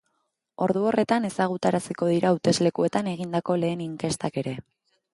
Ordu horretan ezagutaraziko dira hauteslekuetan egindako lehen inkestak ere.